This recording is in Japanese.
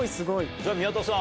じゃ宮田さん